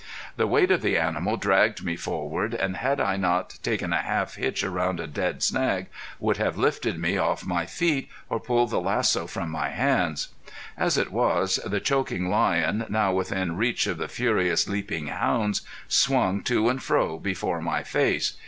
The weight of the animal dragged me forward and, had I not taken a half hitch round a dead snag, would have lifted me off my feet or pulled the lasso from my hands. As it was, the choking lion, now within reach of the furious, leaping hounds, swung to and fro before my face.